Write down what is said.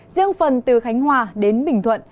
riêng phần từ khánh hòa đến bình thuận